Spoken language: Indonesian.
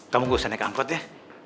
kamu gak usah naik angkot ya